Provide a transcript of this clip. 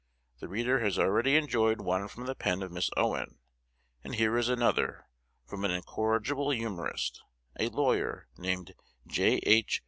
The reader has already enjoyed one from the pen of Miss Owen; and here is another, from an incorrigible humorist, a lawyer, named J. H.